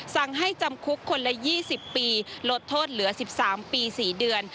สั่งให้จำคุกคนละ๒๐ปีลดโทษเหลือ๑๓ปี๔เดือน